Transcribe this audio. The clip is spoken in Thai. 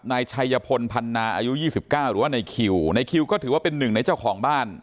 นายชัยพลพันนาอายุ๒๙หรือว่าในคิวในคิวก็ถือว่าเป็นหนึ่งในเจ้าของบ้าน